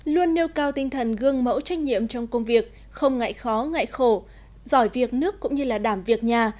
luôn nêu cao tinh thần gương mẫu trách nhiệm trong công việc không ngại khó ngại khổ giỏi việc nước cũng như là đảm việc nhà